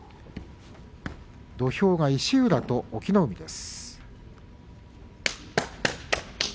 土俵が石浦と隠岐の海です。